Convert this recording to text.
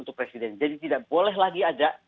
untuk presiden jadi tidak boleh lagi ada